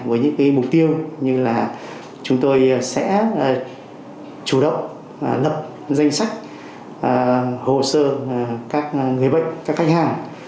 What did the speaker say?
với những mục tiêu như là chúng tôi sẽ chủ động lập danh sách hồ sơ các người bệnh các khách hàng